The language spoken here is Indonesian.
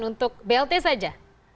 untuk blt saja